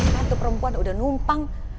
tante perempuan udah numpang